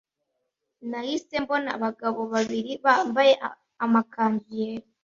nahise mbona abagabo babiri bambaye amakanzu yera